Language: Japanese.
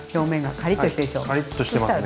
カリッとしてますね。